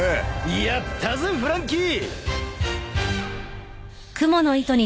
［やったぜフランキー！］